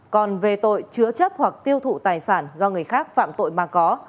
còn về tội chứa chấp hoặc tiêu thụ tài sản do người khác phạm tội mà có